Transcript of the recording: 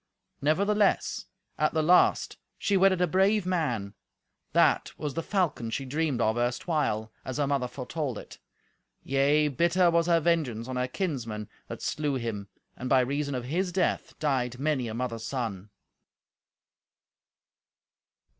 Nevertheless, at the last, she wedded a brave man; that was the falcon she dreamed of erstwhile, as her mother foretold it. Yea, bitter was her vengeance on her kinsmen that slew him, and by reason of his death died many a mother's son.